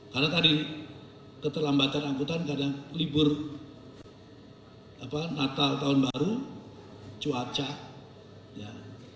karena tadi keterlambatan angkutan kadang libur apa natal tahun baru cuaca ya